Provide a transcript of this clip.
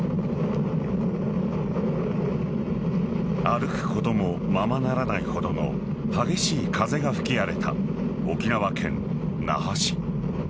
歩くこともままならないほどの激しい風が吹き荒れた沖縄県那覇市。